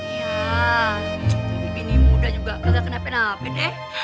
iya jadi bini muda juga gagal kenapain napain deh